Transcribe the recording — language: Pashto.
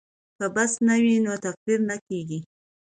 که بست نه وي نو تقرر نه کیږي.